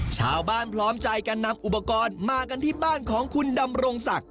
พร้อมใจกันนำอุปกรณ์มากันที่บ้านของคุณดำรงศักดิ